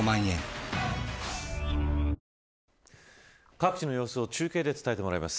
各地の様子を中継で伝えてもらいます。